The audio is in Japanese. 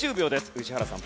宇治原さん